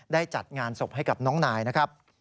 จัดงานศพให้กับน้องนายนะครับ